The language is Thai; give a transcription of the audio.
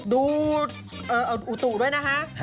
อุตุด้วยนะคะ